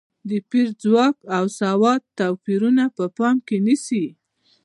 د پېر ځواک او سواد توپیرونه په پام کې ونیسي.